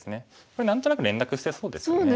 これ何となく連絡してそうですよね。